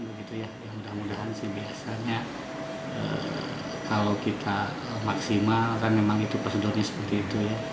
ya mudah mudahan sih biasanya kalau kita maksimal kan memang itu prosedurnya seperti itu ya